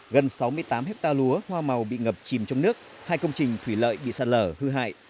gần sáu mươi tám hectare lúa hoa màu bị ngập chìm trong nước hai công trình thủy lợi bị sạt lở hư hại